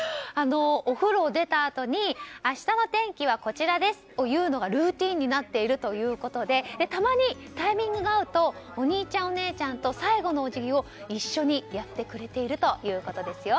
お風呂を出たあとに明日の天気はこちらですを言うのがルーティンになっているということでたまにタイミングが合うとお兄ちゃん、お姉ちゃんと最後のお辞儀を一緒にやってくれているということです。